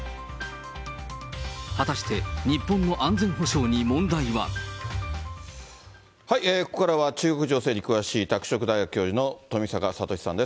果たして、ここからは中国情勢に詳しい、拓殖大学教授の富阪聡さんです。